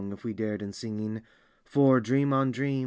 If we dared, in singing; for, dream on dream.